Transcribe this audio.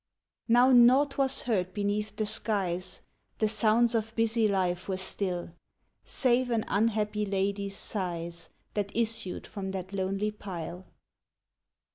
Now naught was heard beneath the skies, The sounds of busy life were still, Save an unhappy lady's sighs, That issued from that lonely pile.